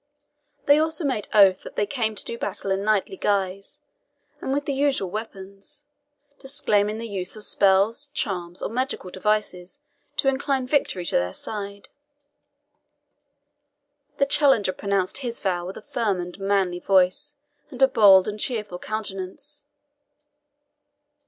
They also made oath that they came to do battle in knightly guise, and with the usual weapons, disclaiming the use of spells, charms, or magical devices to incline victory to their side. The challenger pronounced his vow with a firm and manly voice, and a bold and cheerful countenance.